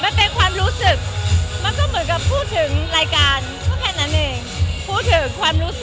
มันเป็นความรู้สึกมันก็เหมือนกับพูดถึงแรการ